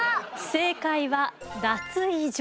正解は脱衣所。